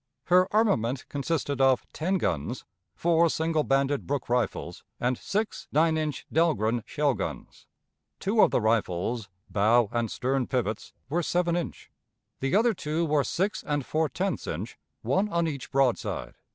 Her armament consisted of ten guns, four single banded Brooke rifles, and six nine inch Dahlgren shell guns. Two of the rifles, bow and stern pivots, were seven inch; the other two were six and four tenths inch, one on each broadside.